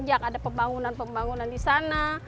ada pebangunan perubahan di sana